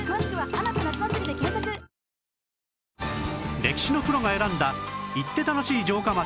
歴史のプロが選んだ行って楽しい城下町